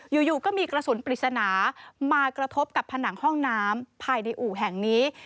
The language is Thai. อยู่ก็มีกระสุนปริศนามากระทบกับผนังห้องน้ำภายในอู่แห่งนี้